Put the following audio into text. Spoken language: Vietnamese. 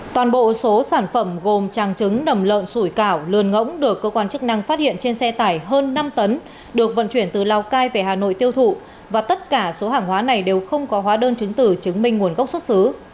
toàn bộ số sản phẩm gồm tràng trứng nầm lợn sủi cảo luồn ngỗng được cơ quan chức năng phát hiện trên xe tải hơn năm tấn được vận chuyển từ lào cai về hà nội tiêu thụ và tất cả số hàng hóa này đều không có hóa đơn chứng tử chứng minh nguồn gốc xuất xứ